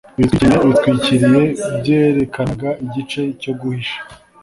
ibitwikiriye bitwikiriye byerekanaga igice cyo guhisha.